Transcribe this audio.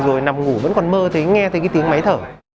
rồi nằm ngủ vẫn còn mơ thấy nghe tiếng máy thở